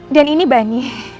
dan ini bunny